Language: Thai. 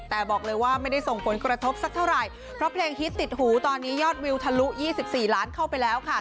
แต่บอกเลยว่าไม่ได้ส่งผลกระทบสักเท่าไหร่เพราะเพลงฮิตติดหูตอนนี้ยอดวิวทะลุ๒๔ล้านเข้าไปแล้วค่ะ